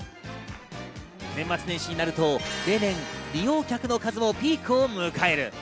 年末年始になると例年、利用客の数もピークを迎える。